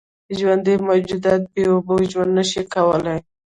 ژوندي موجودات بېاوبو ژوند نشي کولی.